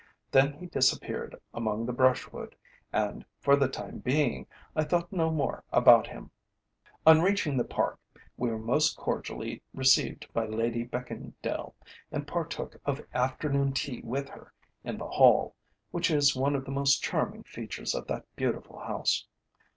Then he disappeared amongst the brushwood, and, for the time being, I thought no more about him. On reaching the Park, we were most cordially received by Lady Beckingdale, and partook of afternoon tea with her in the hall, which is one of the most charming features of that beautiful house.